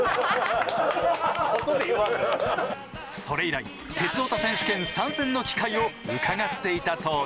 それ以来「鉄オタ選手権」参戦の機会をうかがっていたそうで。